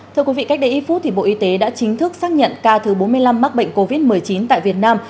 thưa quý vị cách đây ít phút bộ y tế đã chính thức xác nhận ca thứ bốn mươi năm mắc bệnh covid một mươi chín tại việt nam